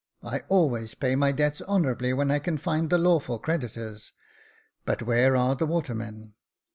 I always pay my debts honourably when I can find the lawful creditors ; but where are the watermen